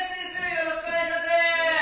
よろしくお願いします。